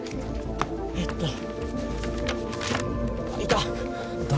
えっといた誰？